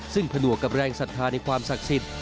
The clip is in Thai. ซึ่งผนวกกับแรงศรัทธาในความศักดิ์สิทธิ์